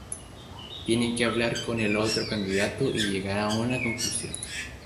Tienes que hablar con el otro candidato y llegar a una conclusión.